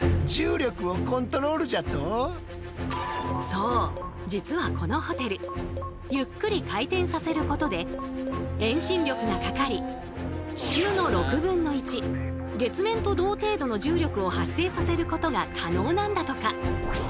そう実はこのホテルゆっくり回転させることで遠心力がかかり地球の６分の１月面と同程度の重力を発生させることが可能なんだとか。